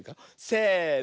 せの。